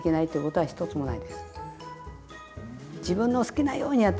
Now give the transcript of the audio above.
はい。